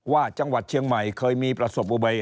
จังหวัดเชียงใหม่เคยมีประสบอุบัย